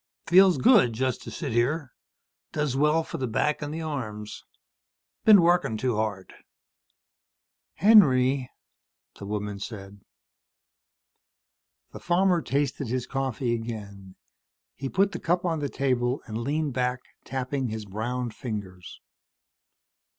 "Feels good. Just to sit here. Does well for the back and the arms. Been working too hard." "Henry," the woman said. The farmer tasted his coffee again. He put the cup on the table and leaned back, tapping his browned fingers.